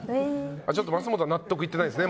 ちょっと増本は納得いってないですね